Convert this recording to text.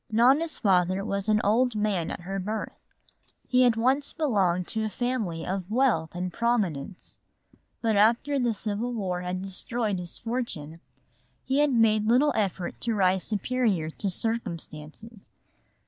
Nona's father was an old man at her birth. He had once belonged to a family of wealth and prominence. But after the civil war had destroyed his fortune he had made little effort to rise superior to circumstances.